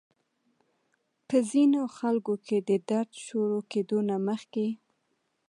پۀ ځينې خلکو کې د درد شورو کېدو نه مخکې